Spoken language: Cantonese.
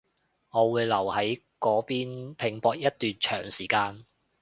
我會留喺嗰邊拼搏一段長時間